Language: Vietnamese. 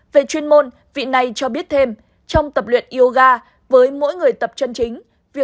về chuyên môn vị này cho biết thêm trong tập luyện yoga với mỗi người tập chân chính